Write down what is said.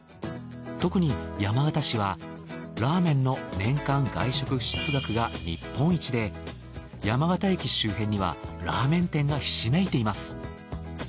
特に山形市はラーメンの年間外食支出額が日本一で山形駅周辺にはラーメン店がひしめいています。